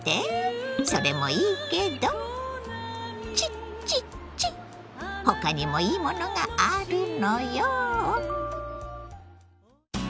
それもいいけどチッチッチッ他にもいいものがあるのよ。